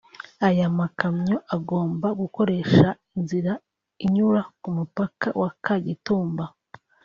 aya makamyo agomba gukoresha inzira inyura ku mupaka wa Kagitumba